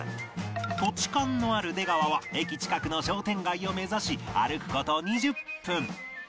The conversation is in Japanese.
土地勘のある出川は駅近くの商店街を目指し歩く事２０分